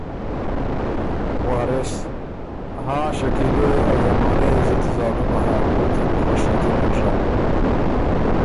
وارث ـــ هاں شکیلے! ا زمانۀ يې زُت ظالُمه هۀ کوک يې بو خوشي کی نک ژَۀ۔